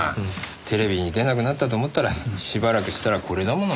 テレビに出なくなったと思ったらしばらくしたらこれだもの。